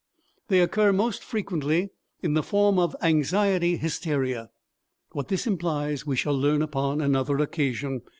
They occur most frequently in the form of anxiety hysteria. What this implies we shall learn upon another occasion.